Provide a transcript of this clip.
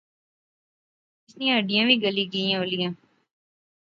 اس نیاں ہڈیاں وی گلی گئیاں ہولیاں